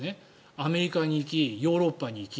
アメリカに行きヨーロッパに行き。